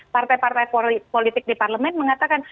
partai partai politik di parlemen mengatakan